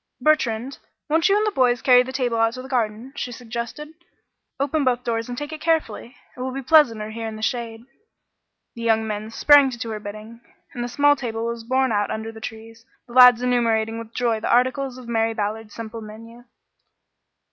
"Bertrand, won't you and the boys carry the table out to the garden?" she suggested. "Open both doors and take it carefully. It will be pleasanter here in the shade." The young men sprang to do her bidding, and the small table was borne out under the trees, the lads enumerating with joy the articles of Mary Ballard's simple menu.